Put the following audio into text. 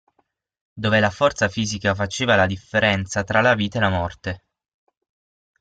Dove la forza fisica faceva la differenza tra la vita e la morte.